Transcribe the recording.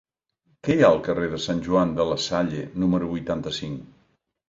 Què hi ha al carrer de Sant Joan de la Salle número vuitanta-cinc?